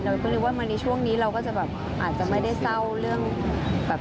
เราก็เรียกมั้ยในช่วงนี้เราก็อาจจะไม่ได้เศร้าเลย